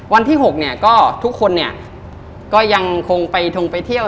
วันที่๖เนี่ยต้องไปเที่ยว